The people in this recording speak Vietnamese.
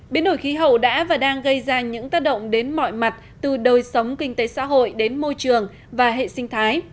biến đổi khí hậu đã và đang gây ra những tác động đến mọi mặt từ đời sống kinh tế xã hội đến môi trường và hệ sinh thái